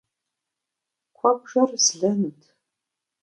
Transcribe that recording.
Куэбжэр злэнут.